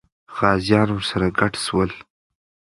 غازیان ورسره ګډ سول.